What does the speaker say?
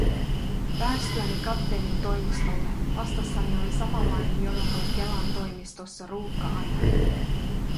Päästyäni kapteenin toimistolle, vastassani oli samanlainen jono kuin Kelan toimistossa ruuhka-aikana.